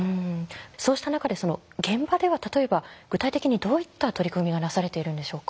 そうした中で現場では例えば具体的にどういった取り組みがなされているんでしょうか？